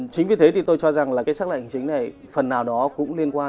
chính vì thế thì tôi cho rằng là cái xác lệnh chính này phần nào đó cũng liên quan